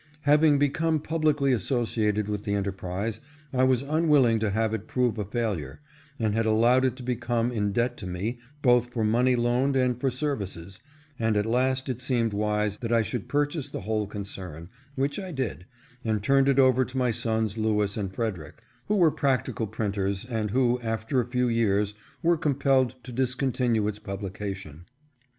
Having become publicly associated with the enterprise, I was unwilling to have it prove a failure, and had allowed it to become in debt to me, both for money loaned and for services, and at last it seemed wise that I should purchase the whole concern, which I did, and turned it over to my sons Lewis and Frederic, who weue practical printers, and who, after a few years, were compelled to discontinue its publication.